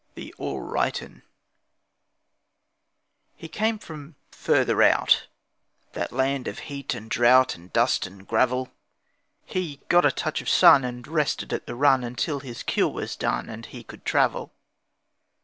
The All Right 'Un He came from 'further out', That land of heat and drought And dust and gravel. He got a touch of sun, And rested at the run Until his cure was done, And he could travel.